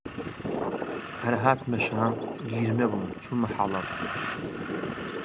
هەر هاتمە شام، گیر نەبووم چوومە حەڵەب